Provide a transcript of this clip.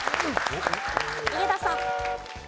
井桁さん。